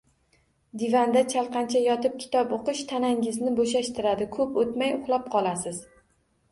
Divanda chalqancha yotib kitob oʻqish tanangizni boʻshashtiradi, koʻp oʻtmay uxlab qolasiz